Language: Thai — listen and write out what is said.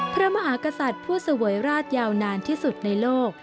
พระมหากษัตริย์ผู้เสวยราชยาวนานที่สุดในโลก